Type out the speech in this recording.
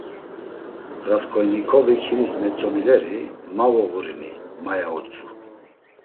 Rasǩolnikovik hinis metzomileri, ma voğurini, ma ya utzu.